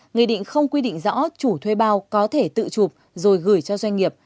nghị định không quy định rõ chủ thuê bao có thể tự chụp rồi gửi cho doanh nghiệp